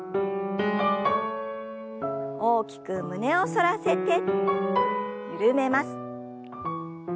大きく胸を反らせて緩めます。